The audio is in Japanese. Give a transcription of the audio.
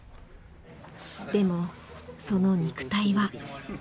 でもその肉体は。